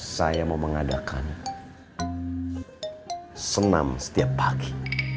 saya mau mengadakan senam setiap pagi